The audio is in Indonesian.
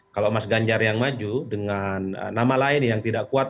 kalau mas ganjar yang maju dengan nama lain yang tidak kuat